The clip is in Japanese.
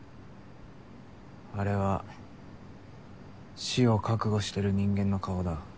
あれは死を覚悟してる人間の顔だ。